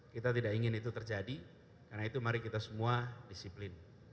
kita tidak ingin itu terjadi karena itu mari kita semua disiplin